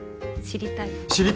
知りたい！